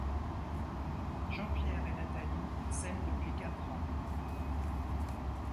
Jean-Pierre et Nathalie s'aiment depuis quatre ans.